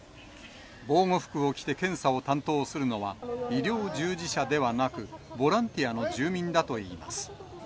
防護服を着て、検査を担当するのは、医療従事者ではなくボランティアの住民だといいます。